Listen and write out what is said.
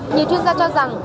nhiều chuyên gia cho rằng